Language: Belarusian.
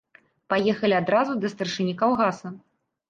Паехалі адразу да старшыні калгаса.